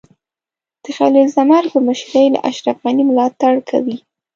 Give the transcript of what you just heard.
د خلیل زمر په مشرۍ له اشرف غني ملاتړ کوي.